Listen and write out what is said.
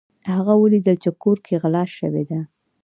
هغه ولیدل چې کور کې غلا شوې ده.